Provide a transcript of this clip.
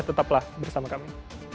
tetaplah bersama kami